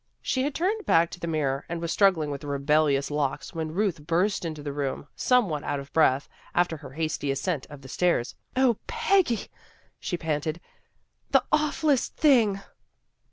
She had turned back to the mirror, and was struggling with the rebellious locks when Ruth burst into the room, somewhat out of breath after her hasty ascent of the stairs. " 0, Peggy!" she panted. "The awfullest thing!